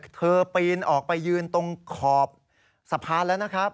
ปีนออกไปยืนตรงขอบสะพานแล้วนะครับ